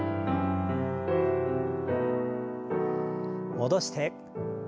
戻して。